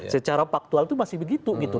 secara faktual itu masih begitu gitu